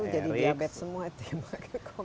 itu jadi diabetes semua itu ya pak kekop